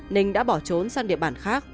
nình đã bỏ trốn sang địa bản khác